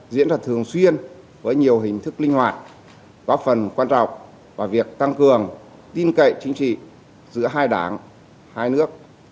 với nhiều hình thức linh hoạt có phần quan trọng vào việc tăng cường tin cậy chính trị giữa hai đảng hai nước